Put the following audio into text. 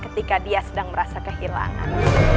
ketika dia sedang merasa kehilangan